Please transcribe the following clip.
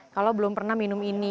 kalau belum pernah minum ini